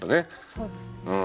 そうですね。